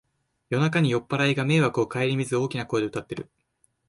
夜中に酔っぱらいが迷惑をかえりみず大きな声で歌ってる